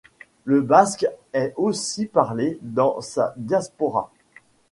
Le basque est aussi parlé dans sa diaspora.